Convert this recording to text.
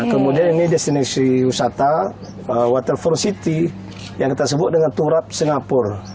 kemudian ini destinasi wisata waterfer city yang kita sebut dengan turap singapura